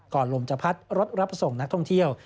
ลมจะพัดรถรับส่งนักท่องเที่ยว